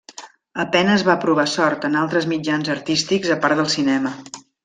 A penes va provar sort en altres mitjans artístics a part del cinema.